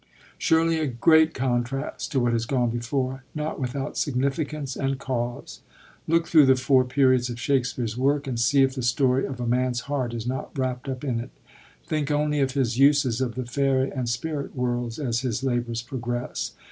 Surely a great contrast to what has gone before, not without significance and cause! Look thru the Four Periods of Shakspere's work and see if the story of a man's heart is not wrapt up in it. Think only of his uses of the fairy and spirit worlds as his labors progress.